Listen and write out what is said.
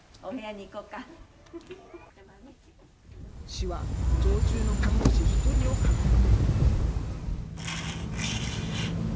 市は常駐の看護師１人を確保。